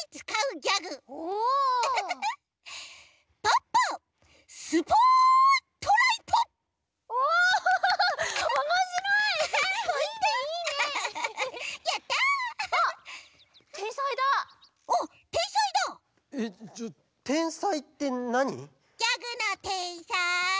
ギャグのてんさい！